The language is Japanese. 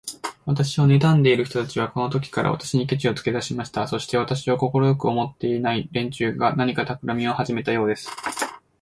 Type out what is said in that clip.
私をねたんでいる人たちは、このときから、私にケチをつけだしました。そして、私を快く思っていない連中が、何かたくらみをはじめたようです。